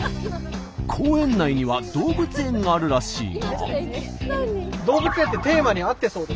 公園内には動物園があるらしいが。